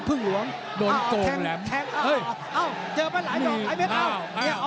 เจอไปหลายตรงไอเม็ดอ้าวอ้าวเป็นเรื่องเหมือนกันนะ